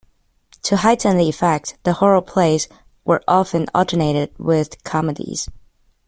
To heighten the effect, the horror plays were often alternated with comedies.